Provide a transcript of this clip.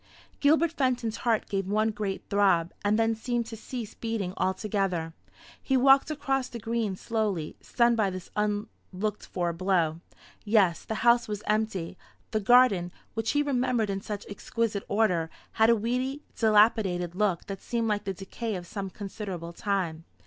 Gilbert Fenton's heart gave one great throb, and then seemed to cease beating altogether. He walked across the green slowly, stunned by this unlooked for blow. Yes, the house was empty. The garden, which he remembered in such exquisite order, had a weedy dilapidated look that seemed like the decay of some considerable time.